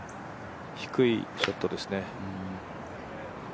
低いショットですね。